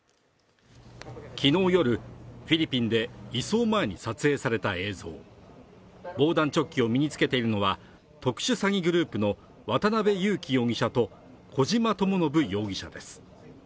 昨日夜フィリピンで移送前に撮影された映像防弾チョッキを身につけているのは特殊詐欺グループの渡辺優樹容疑者と小島智信容疑者です